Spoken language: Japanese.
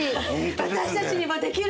私たちにもできる！